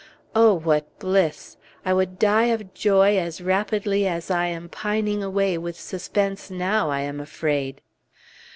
Oh, what bliss! I would die of joy as rapidly as I am pining away with suspense now, I am afraid!